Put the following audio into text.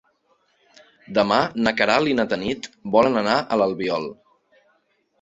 Demà na Queralt i na Tanit volen anar a l'Albiol.